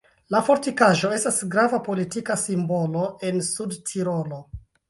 La fortikaĵo estas grava politika simbolo en Sudtirolo.